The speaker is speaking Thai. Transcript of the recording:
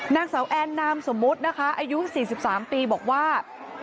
นางสาวแอนนามสมมุตินะคะอายุ๔๓ปีบอกว่า